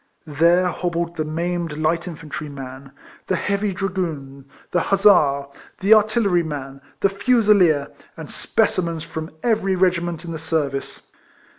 There hobbled the maimed light infantry man, the heavy dra RIFLEMAN HAREIS. 279 goon, the hussar, the artillery man, the fusileer, and specimens from every regiment in the service.